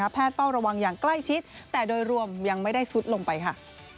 เฝ้าระวังอย่างใกล้ชิดแต่โดยรวมยังไม่ได้ซุดลงไปค่ะ